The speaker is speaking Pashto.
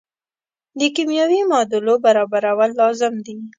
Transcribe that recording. د کیمیاوي معادلو برابرول لازم دي.